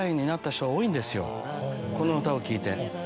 この歌を聴いて。